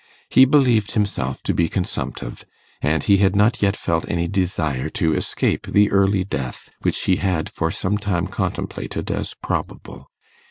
He believed himself to be consumptive, and he had not yet felt any desire to escape the early death which he had for some time contemplated as probable.